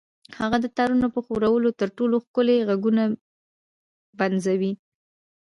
هغه د تارونو په ښورولو تر ټولو ښکلي غږونه پنځوي